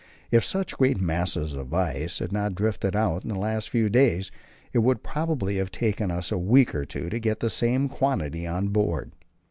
If such great masses of ice had not drifted out in the last few days, it would probably have taken us a week or two to get the same quantity on board.